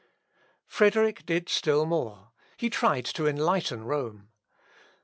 Frederick did still more; he tried to enlighten Rome.